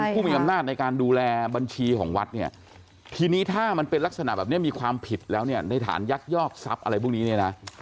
ผู้มีอำนาจในการดูแลบัญชีของวัดเนี่ยทีนี้ถ้ามันเป็นลักษณะแบบนี้มีความผิดแล้วเนี่ยในฐานยักยอกทรัพย์อะไรพวกนี้เนี่ยนะ